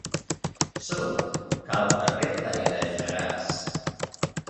Surt, que al carrer t'airejaràs.